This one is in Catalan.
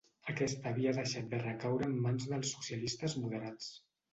Aquest havia deixat de recaure en mans dels socialistes moderats.